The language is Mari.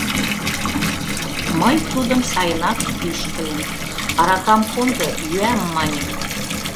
Мый тудым сайынак пӱшкыльым: аракам кондо, йӱам маньым.